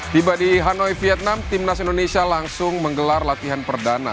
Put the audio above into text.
tiba di hanoi vietnam timnas indonesia langsung menggelar latihan perdana